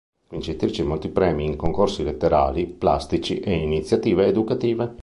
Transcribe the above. Vincitrice di molti premi in concorsi letterari, plastici e iniziative educative.